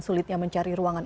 sulitnya mencari ruangan